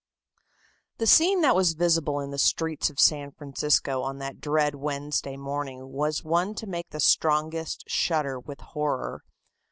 The scene that was visible in the streets of San Francisco on that dread Wednesday morning was one to make the strongest shudder with horror.